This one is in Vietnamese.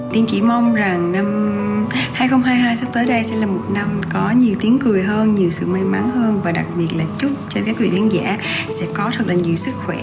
tiên chỉ mong rằng năm hai nghìn hai mươi hai sắp tới đây sẽ là một năm có nhiều tiếng cười hơn nhiều sự may mắn hơn và đặc biệt là chúc cho các người khán giả sẽ có thật là nhiều sức khỏe